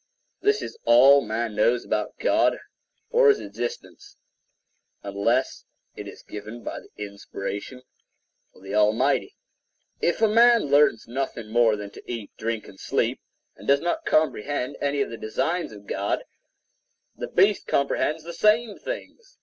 This is all man knows about God or his existence, unless it is given by the inspiration of the Almighty. If a man learns nothing more than to eat, drink and sleep, and does not comprehend any of the designs of God, the beast comprehends the same things.